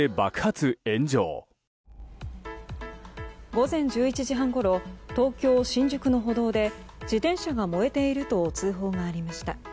午前１１時半ごろ東京・新宿の歩道で自転車が燃えていると通報がありました。